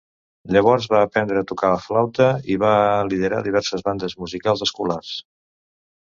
Llavors va aprendre a tocar flauta i va liderar diverses bandes musicals escolars.